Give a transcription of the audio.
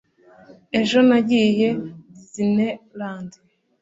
ejo nagiye i disneyland